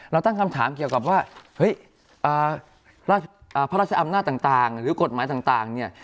ตั้งคำถามเกี่ยวกับว่าเฮ้ยพระราชอำนาจต่างหรือกฎหมายต่างเนี่ย